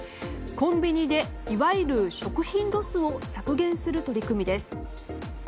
コンビニでいわゆる食品ロスを削減する取り組みです。